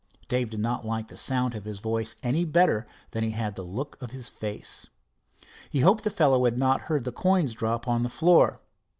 Dave did not like the sound of his voice any better than he had the look of his face. He hoped the fellow had not heard the coins drop on the floor.